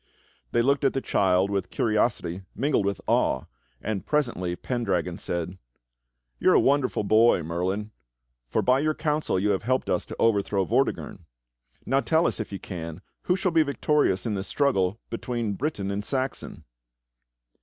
They looked at the child with curiosity mingled with awe, and presently Pendragon said: "You are a wonderful boy. Merlin, for by your counsel you have helped us to overthrow Vortigern. Now tell us, if you can, who shall be victorious in this struggle between Briton and Saxon."